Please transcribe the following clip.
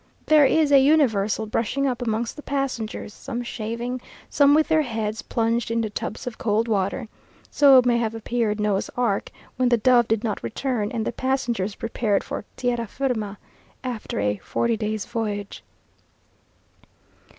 There is a universal brushing up amongst the passengers; some shaving, some with their heads plunged into tubs of cold water. So may have appeared Noah's ark, when the dove did not return, and the passengers prepared for terra firma, after a forty days' voyage.